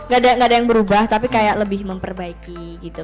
gak ada yang berubah tapi kayak lebih memperbaiki gitu